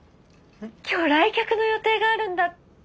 今日来客の予定があるんだった。